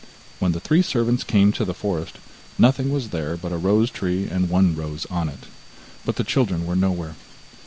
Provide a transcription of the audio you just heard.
When the three servants came to the forest, nothing was there but a rose tree and one rose on it, but the children were nowhere.